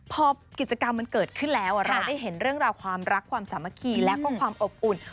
พอกิจกรรมมันเกิดขึ้นแล้วเราได้เห็นเรื่องราวความรักความสามัคคีแล้วก็ความอบอุ่น